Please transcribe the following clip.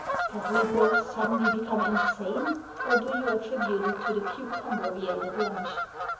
"Have we both suddenly become insane, or do you attribute it to the cucumber we ate at lunch